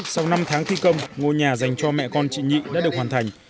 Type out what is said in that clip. sau năm tháng thi công ngôi nhà dành cho mẹ con chị nhị đã được hoàn thành